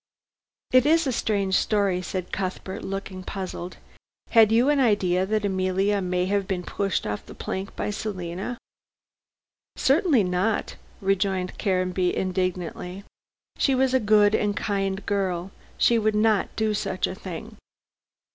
"It is a strange story," said Cuthbert, looking puzzled. "Had you an idea that Emilia may have been pushed off the plank by Selina?" "Certainly not," rejoined Caranby indignantly. "She was a good and kind girl. She would not do such a thing."